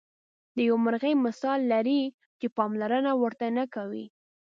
د یوې مرغۍ مثال لري چې پاملرنه ورته نه کوئ.